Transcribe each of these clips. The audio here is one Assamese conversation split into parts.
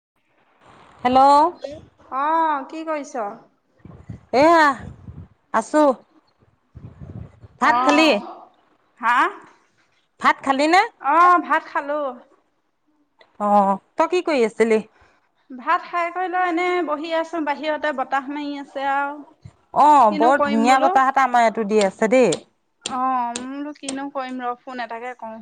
[inaudible] অ কি কৰিৈছ সেয়া আছোঁ ভাত খালি অ' হা ভাত খালি ন অ' ভাত খালো অ তই কি কৰি আছ চিলে ভাত খাই কৰি লোৱা এনে বহি আছোন বাহিৰতে বতাহ মাৰি আছে আৰু অ কিনো বৰ কৰিম ধুনীয়া বোলো বতাহাহটা আমাৰ এইটো দি আছে দেই অ মোৰো কিনো কৰিম ৰ ফোন এটাকে কওঁ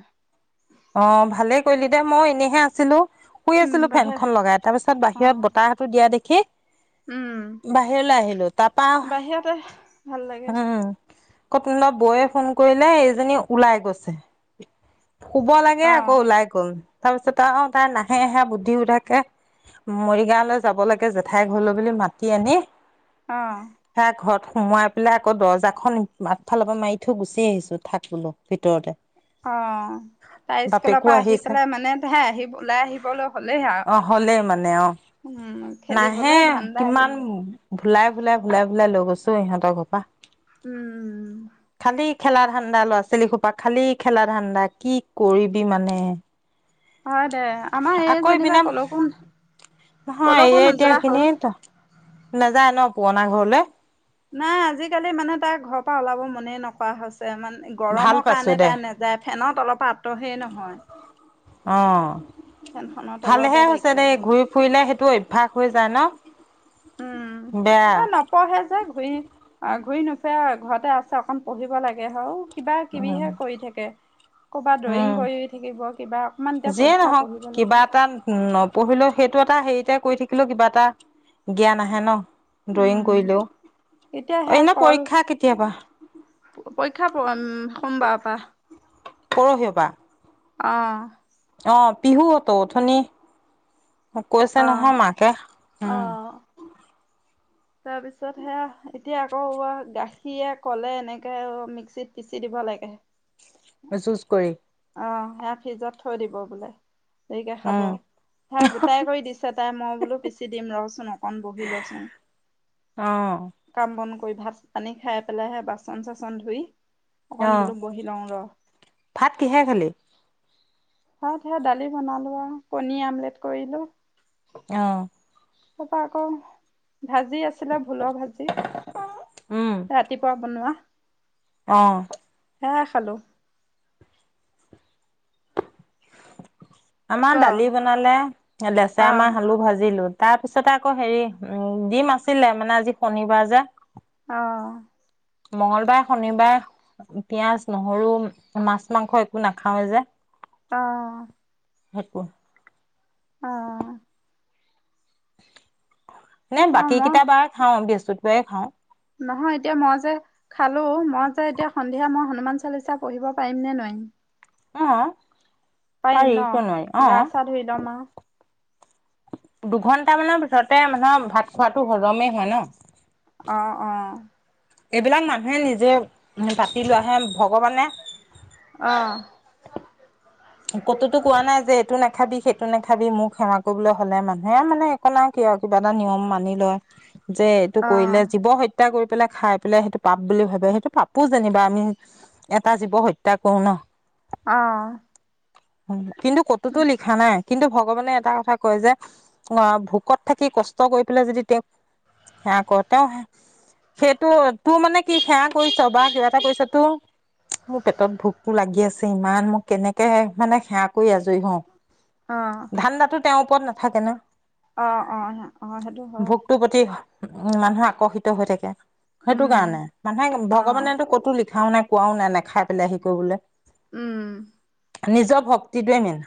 অ ভালেই কৰিলি দে মই এনেইহে আছিলো শুই উম আছিলো বাহিৰ ফেনখন লগাই তাৰপিছত বাহিৰত অ' বতাহতটো দিয়া দেখি খে উম বাহিৰলৈ আহিলো তাৰপা বাহিৰতে ভাল লাগে উম আকৌোা বৌয়ে ফোন কৰিলে এইজনী ওলাই গৈছে শুব লাগে আকৌ অ' ওলাই গল তাৰ পিছত আৰু তাই নাহেহে বুদ্ধি উ থাকে মৰিগাঁৱলৈ যাব লাগে জেঠাই ঘলো বুলি মাতি আনি অ' হে ঘৰ সোমাই পেলাই আকৌ দৰ্জাখন আগফালৰ পৰা মাৰি থৈ গুচি আহিছো থাক বোলো ভিতৰতে অ তাই স্কুলৰ বাপেকো পৰা আহি আহিছে পেলাই মানে তে আহি ওলাই আহিবলৈ হলেই অ হ'লেই মানে অ আৰু উম নাহে খেলিবলৈ ধান্দা কিমান আহিলে আো স ইহঁতৰ ঘৰপা উম উম খেলা ধান্দা ল' ছছিলি সোপা খালি খেলা ধান্দাক কি কৰিবি মানে অ দে আমাৰ এই আকৌ যেনিবা ইপিনে কলকো নহয় এই কলকো এতিয়া নোযোৱা এইখিনি হ'ল নাযায় ন পুৰণা ঘৰলে নাই আজিকালি মানে তাৰ ঘৰৰ পৰা ওলাব মনে নকৰা হৈছে। তেওঁ মানে ভাল গৰমৰ পাইছো কাৰণে দে তাই নেযায় ফেনত। তলপাত। তহে নহয়। অ অ অ। ফেনখনৰ তলতে ভালেহে তাইক হৈছে দেই লাগে। ঘূৰি ফুৰিলে সেইটো অভ্যাস হৈ যায় ন। উম, বেয়া এ নপঢ়ে যে, ঘূৰি আ ঘূৰি নু সেয়াই ঘৰতে আছে অকন পঢ়িব লাগে, হাউ কিবা কিবিহে কৰি থাকে। ক'ৰবাত ড্ৰয়িং হুম কৰি থাকিব কিবা অকমান এতিয়া যিয়ে পৰীক্ষা নহওক পঢ়িব কিবা লাগে। এটা নপঢ়িলেও সেইটো এট এটা হেৰিতে কৰি থাকিলেও কিবা এটা জ্ঞান আহে ন। ড্ৰয়িং উম কৰিলেও, এতিয়া এনে পৰীক্ষা কেতিয়াৰ পৰা? প পৰীক্ষা প উম সোমবাৰৰ পৰা। পৰহিৰ পৰা অ। অ পিহুঅটো, অথনি মোক কৈছে অ নহয় অ মাকে, উম। তাৰ পিছত হেয়া, এতিয়া আকৌ এবাৰ গাখীৰে, কলে এনেকে মিক্সিত পিচি দিব লাগে। এ জুচ কৰি। অ, হেয়া ফ্ৰিজত থৈ দিব বোলে। দেৰিকে খাব। উম হেয়া গোটাই কৰি দিছে তাই, মই বোলো পিচি দিম ৰহচোন অকণ বহি লওচোন, অ কাম বন ক কৰি ভাত পানী খাই পেলাই হে বাচন চাচন ধুই অকণ অ, বোলো বহি লওঁ ৰ। ভাত কিহে খালি? ভাত হেয়া ডালি বনালো আৰু, কণী আমলেট কৰিলো। এওঁ। তাৰপৰা আকৌ ভাজি আছিলে, ভোলৰ ভাজি। উম ৰাতিপুৱা বনোৱা। অ। হেয়াই খালো। ক আমাৰ ডালি বনালে, হে অ লেচেৰামাহ, আলু ভাজিলো। তাৰপিছতে আকৌ হেৰি, উম ডিম আছিলে মানে আজি শনিবাৰ যে। অ অ অ। মঙলবাৰে, শনিবায়ে পিয়াঁজ, নহৰু, মাছ, মাংস একো নাখাও এ যে। অঅঅ। হেত পোহ আ আ আ। নে অ বাকী মই কিতা বাৰ খাওঁ, বৃহচ ছুত বায়ে খাওঁ। নহয় এতিয়া মই যে খালো, মই যে এতিয়া সন্ধিয়া মই হনুমান চালিচা পঢ়িব পাৰিম নে নোৱাৰিম? অ'। পাৰি পাৰিম ন? কিয় নোৱাৰি অ গা-চা ধুই লম আউ। দুঘন্টা মানৰ পিছতে মানুহৰ ভাত খোৱাটো হজমেই হয় ন? অ', অ'। এইবিলাক মানুহে নিজে পাতি লোৱাহে ভগৱানে অহ। ক'তোতো কোৱা নাই যে এইটো নাখাবি সেইটো নাখাবি, মোক সেৱা কৰিবলৈ হলে মানুহে আৰু মানে একো নাই কি আৰু কিবা এটা নিয়ম মানি লয়। যে এইটো অ কৰিলে জীৱ হত্য হত্যা কৰি পেলাই খাই পেলাই সেইটো পাপ বুলি ভাবে, সেইটো পাপো যেনিবা আমি এটা জীৱ হত্যা কৰো ন? অ'। হয়। কিন্তু ক'তোতো লিখা নাই। কিন্তু ভগৱানে এটা কথা কয় যে, ভোকত থাকি কষ্ট কৰি পেলাই যদি তেওঁক সেৱা কৰে, তেওঁ সেইটো তোৰ মানে কি সেৱা কৰিছ বা কিবা এটা কৰিছ তোৰ মোৰ পেটত ভোকতটো লাগি আছে ইমান মোক কেনেক কে মানে সেৱা কৰি আজৰি হওঁ। ধান্দাটো তেওঁৰ ওপৰত নাথাকে ন? অ', অ', অ', হেইটো হয়। উ-উম, মানুহ আকৰ্ষিত হৈ থাকে। সেইটো উম কাৰণে মানে অ ভগৱানেটো ক'তো লিখ খাও নাই কোৱাও নাই, নেখাই পেলাই হে কৰিবলৈ। উম। নিজৰ ভক্তিটোৱে মেইন।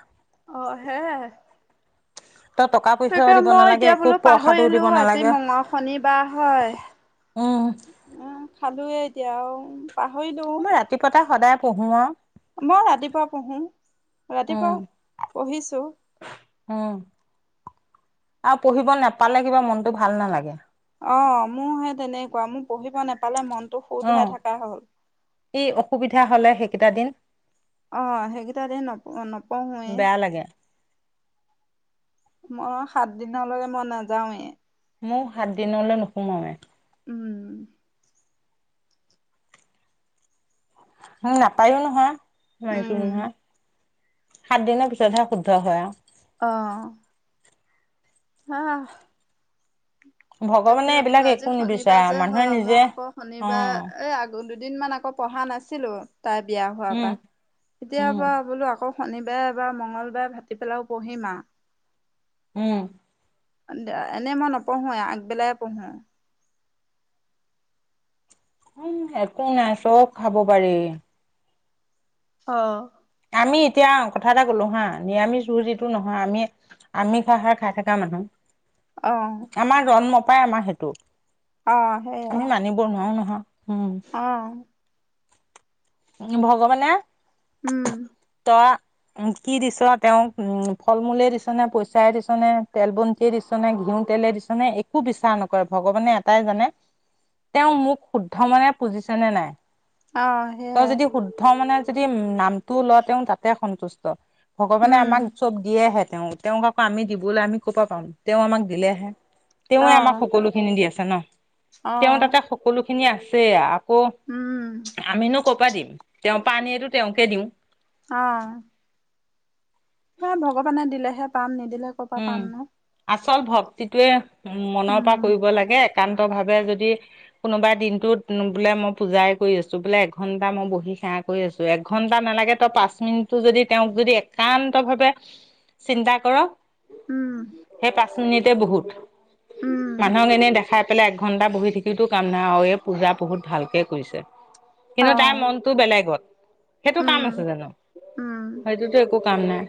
অ', সেয়াই। তই টকা পইচাও সেইকাৰে দিব মই নালাগে এতিয়া একো বোলো প্ৰসাদো পাহৰিলো, দিব আজি নালাগে মঙল শনিবাৰ হয়। উম, খালোয়ে এতিয়া আৰু। পাহৰিলোও। মই ৰাতিপুৱাতে সদায় পঢ়ো আৰু মই ৰাতিপুৱা পঢ়ো। ৰাতিপুৱা উম পঢ়িছো। উম আৰু পঢ়িব নাপালে, কিবা মনটো ভাল নালাগে। অ', মোৰ সে তেনেকুৱা মোৰ পঢ়িব নেপালে মন অ', এই অসুবিধা বিধা হ'লে সেইকেইটা দিন অ', সেইকেইটা দিন নপ-নপঢ়োৱে। বেয়া লাগে মই সাত দিনলৈকে মই নাযাওঁৱে। ময়ো সাত দিনলৈ নোসোমাওৱে। উম। উম নাপায়ো নহয়। মাইকী উম, মানুহে। সাত দিনৰ পিছতহে শুদ্ধ হয় আৰু অহ অহ ভগৱানে তাকে এইবিলাক বোলো আজি একো শনিবাৰ নিবিচাৰে যে মানুহে হয়। নিজে মই আকৌ অ শনিবাৰ এই আগ দুদিনমান আকৌ পঢ়া নাছিলো। তাই বিয়া হোৱাৰ উম পৰা, এতিয়াৰ উম পৰা বোলো আকৌ শনিবাৰে বা মঙ্গল বাৰে ভাটি পেলাই পঢ়িম আও উম এনেই মই নপঢ়োৱে, আগবেলাই পঢ়ো। উম, একো নাই চব খাব পাৰি অহ তুমি এতিয়া কথা এটা কলো হা, নিৰামিষ ভোজিটো নহয়, আমি খোৱা সাৰ খাই থকা মানুহ। অ', আমাৰ জন্ম পায় আমাৰ সেইটো আমি মানিব নোৱাৰো নহয়। উম অহ ভগৱানে উম কি দিছ তেওঁক উম ফল মূলে দিছ নে পইচাই দিছনে তেল বন্তিয়ে দিছ নে ঘিউ তেলে দিছ নে একো বিচাৰ নকৰে ভগৱানে এটাই জানে তেওঁ মোক শুদ্ধ মানে পুজিছে নে নাই অ তই সেইয়াই যদি শুদ্ধ মানে যদি নাম টো লও তেওঁ তাতে সন্তুষ্ট ভগৱানে উম আমাক চব দিয়েহেতে তেওঁ তেওঁক আকৌ আমি দিবলে আমি ক'ব পাওঁ তেওঁ আমাক দিলেহে অ তেওঁৱে আমাক সকলোখিনি দি আছ ছা ন অ তেওঁ তাতে সকলো খিনি আছেই আ কৌ উম আমিনো ক' পা দিম তেওঁ পা আনিয়ে টো তেওঁকে দিওঁ অহ দিলেহে পাম নি নিদিলে ক'ৰ পৰা পাম নো চল ভক্তিটোৱে মনৰ উম পৰা কৰিব লাগে একান্ত ভাৱে যদি কোনোবাই দিনটোত বোলে মই পূজাই কৰি আছো বোলে এঘন্টা মই বহি সেৱা কৰি আছো এঘন্টা নালাগে তই পাঁচ মিনিটটো যদি তেওঁক যদি একান্ত ভাৱে চিন্তা কৰ উম সেই পা মিনিটতে বহুত। উম মানুহক এনে দেখ খাই পেলাই একঘণ্টা বহি থাকিতো কাম নাই আৰু এই পূজা বহুত ভালকে কৰিছে অ কিন্তু তাৰ মনটো বেলেগত সেইটো উম কাম আছে জানো উম সেইটোতো একো কাম নাই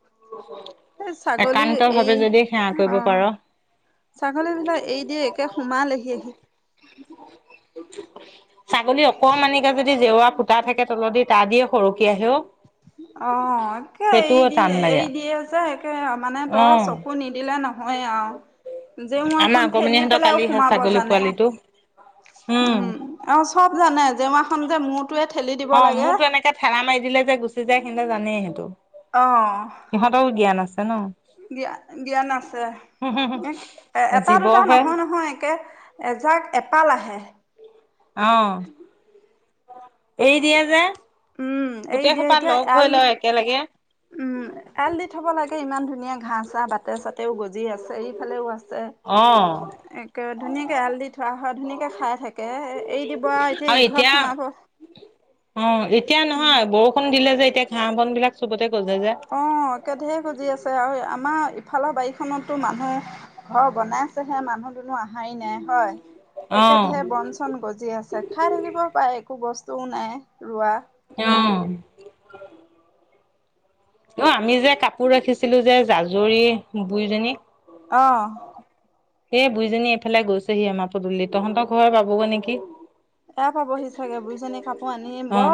[inaudible] এই ছাগলী একান্ত এ ভাৱে যদি সেৱা কৰিব অ পাৰ ছাগলী বিলাক এৰি দিয়ে একে সোমালেহি আহি [unintelligible] ছাগলী অকণমানিকে যদি জেওৰা ফুতা থাকে তলত দি তা দিও সৰকি আহে অ অ তে এৰি দি লাগে এৰি দিয়ে যে একে মানে অ তই চকু নিদিলে ন অয় আও যে মোৰ আমাৰ এখন ঠেলি অকমানিহঁতৰ পেলাই কালি সেই সোমাব ছাগলী জানে পোৱালিটো উম আৰু চব জানে দেৱাখন যে মুঠ অ মোৰতো এনেকে ঠেলা মাৰি দিলে যে গুচি যায় সেতে জানেই সেইটো সিহঁতৰও জ্ঞান আছে কে ন জ্ঞা জ্ঞান আছে এটা দুটা জীৱহে নহয় নহয় একে এজাক এপাল আহে অহ এৰি দিয়ে যে উম এৰি গোটেই দিয়ে সোপাত এতিয়া লগ এৰাল হৈ দি ল একেলগে উম এআল দি থব লাগে ইমান ধুনীয়া ঘাঁহ চা বাটে চাতেও গজি আছে এইফালেও আছে অ একে ধুনীয়াকে এআল দি থোৱা হয় ধুনীয়াকে খাই থাকে এৰি দিব আও এতিয়া ইঘৰত সোমাব উম হয় বৰষুণ দিলে যে এতিয়া ঘাঁহ বন বিলাক চবতে গজে যে অ একে ধেই গজি আছে আৰু আম আমাৰ ইফালৰ বাৰীখনতো মানুহ ঘৰ বনাইছেহে মানুহ দুনো অহাই নাই হয় অ একে ধেৰ বন চন গজি আছে খাই থাকিব পাই একো বস্তু তো নাই ৰোৱা অহ অ আমি যে কাপোৰ ৰাখিছিলো যে জাজৰী বুইজনীক অহ সেই বুইজনী এইফালে গৈছেহি আমাৰ পদূলি তহঁতৰ ঘৰ পাবগৈ নেকি এ পাবহি চাগে বু়িজনী কাপোৰ আনি অ ব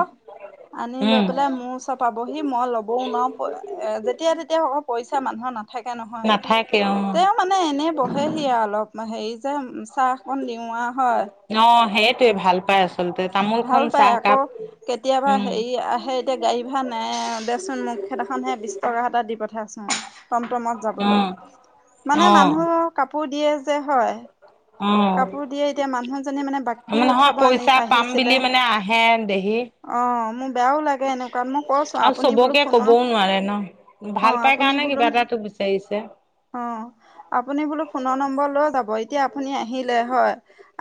আনি লৈ উম পেলাই মোৰ ওচৰত পাবহি মই লবও নোৱাৰো এ যেতিয়া তেতিয়া পইচা মানুহ ন থাকে নহয় নাথাকে অ তেওঁ মানে এনে বহেহি আৰু অলপ মই সেই যাম চাহকণ দিওৱা হয় অ সেইটোৱে ভাল পাই আচলতে তামোলখন ভাল পাই আকৌ চাহকাপ কেতিয়াবা উম হেৰি আহে এতিয়া গাড়ী ভাড় নাই দেচোন মোক খেইদিনাখন হে বিশ টকা এটা দি প আছা টমটমত যাবলৈ মানে অ অ মানুহ কাপোৰ দিয়ে যে হয় অ কাপোৰ দিয়ে এতিয়া মানুহজনী মানে বাকী নহয় উঠাব আনি পইচা পাম আহিছিলে বুলি মানে আহে দেহি অ মোৰ বেয়াও লাগে এনে তাক মই কৈছোঁ আৰু আপুনি বোলো চবকে কবও ফোনত নোৱাৰে ন। অঁ ভাল পাই আপুনি কাৰণে বোলো কিবা এটা তোক বিচাৰিছে অঁ আপুনি বোলো ফোনত নম্বৰ লৈ বউ এতিয়া আপুনি আহিলে হয়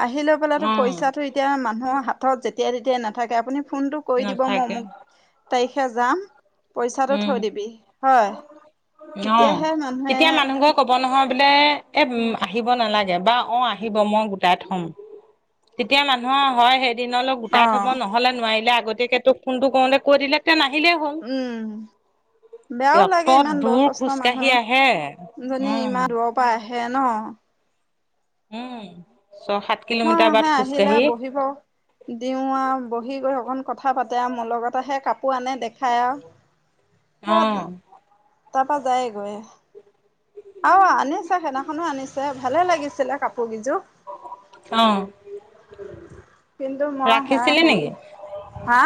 আহি লৈ অ পেলাই পইচাটো এতিয়া মানুহৰ হাত তত যেতিয়া তেতিয়া নাথাকে আপুনি ফোনতটো কৰি দিব মই নাথাকে মোক তাই হে যাম পইচাটো উম থৈ দিবি হয় অ তেতিয়াহে মানুহে তেতিয়া মানুহ ঘৰে ক'ব নহয় বোলে এম আহিব নালাগে বা অ আহিব মই গোটাই থম তেতিয়া মানুহৰ হয় সেই দিনলে অ গোটাই থ'ব নহ'লে নোৱাৰিলে আগতীয়াক কোনটো কওঁতে কৈ দিলে নাই উম বেয়াও অত লাগে ইমান দূৰ বয়সস্থ খোজকাঢ়ি মানুহ আহে জনী উম ইমমান দূৰৰ পৰা আহে। সেয়া ন' উম ছয় সাত মই কিলোমিটাৰ বাট আহে আহিলে খোজকাঢ়ি বহিব দিওঁ আৰু বহি গৈ অকন কথা পাতে আৰু মোৰ লগত আহে কাপোৰ আনে দেখায় আৰু স অঁ তাৰপা যায়ে গৈ আহ আনিছে সেইদিনাখনো আনিছে ভালে লাগিছিলে কাপোৰ কিযোৰ অ' [inaudible] কিন্তু মই সেয়া ৰাখিছিলি সেই নেকি? হা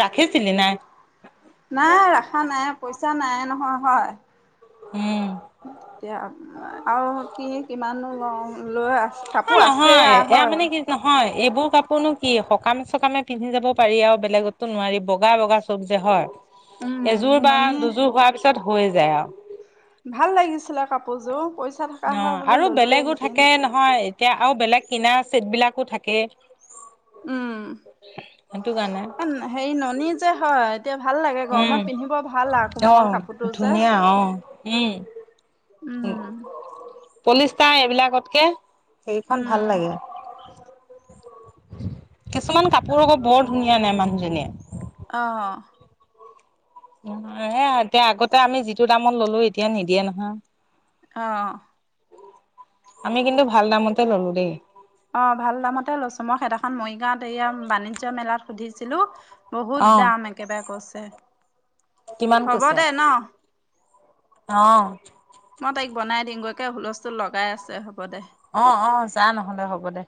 ৰাখিছিলি নাই নাই ৰখা নাই পইচা নাই নহয় হয় এ। এতিয়া আৰু কি কিমানো ল ও লৈ আছে। অ কাপোৰ আছে নহয় এয়া হয় মানে কি নহয়। এইবোৰ কাপোৰনো কি সকামে চকামে পিন্ধি যাব পাৰি আৰু বেলেগতো নোৱাৰি বগা বগা চব যে হয়। উম এযোৰ বা ননী দুযোৰ হোৱাৰ পিছত। হৈ যায় আৰু। ভাল লাগিছিলে কাপোৰযোৰ। পইচা থকা অ হয় বোলো আৰু বেলেগো ললোৱেহেঁতেন থাকে নহয়। এতিয়া আৰু বেলেগ কিনা চেট বিলাকো থাকে। উম সেইটো কাৰণে হে ননী যে হয় এতিয়া। ভাল লাগে উম, গৰমত পিন্ধিব ভাল আৰু কোমল অ' কাপোৰটো যে ধুনীয়া অ' উম, উম। পলিষ্টা এইবিলাকতকে। সেইখন উম ভাল লাগে। [unintelligible] কিছুমান কাপোৰ আকৌ বৰ। ধুনীয়া নাই মানুহজনীয়ে। অহ। এ এতিয়া আগতে আমি যিটো দামত ললো এতিয়া নিদিয়ে নহয়। অহ। আমি কিন্তু ভাল দামতে ল'লো দেই। অ ভাল দামতে লৈছো মই সেদিাখন মৰিগাঁৱত এয়া বাণিজ্য় মেলাত সুধিছিলো। বহুত অ দাম একেবাৰে কছে। হ'ব দে ন। অহ। মই তাইক বনাই দিম গৈ। ত হুলস্থুল লগাই আছে হ'ব দে। অ অ যা নহ'লে হ'ব দে।